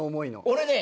俺ね